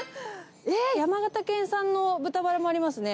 えっ、山形県産の豚バラもありますね。